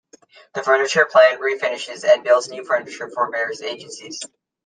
The furniture plant refinishes and builds new furniture for various agencies.